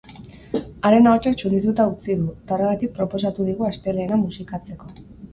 Haren ahotsak txundituta utzi du, eta horregatik proposatu digu astelehena musikatzeko.